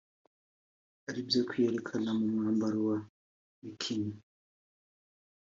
aribyo kwiyerekana mu mwambaro wa bikini